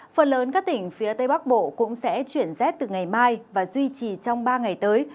phần lớn các tỉnh phía tây bắc bộ cũng sẽ chuyển rét từ ngày mai và duy trì trong ba ngày tới